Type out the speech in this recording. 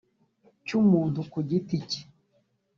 cy’umuntu ku giti cye